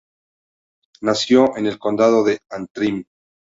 Nació en el Condado de Antrim.